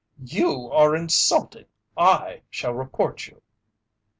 "You are insulting I shall report you."